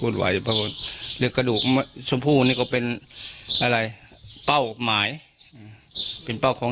วุ่นวายเรียกกระดูกสุภูนิก็เป็นอะไรเป้าหมายอืมเป็นเป้าของ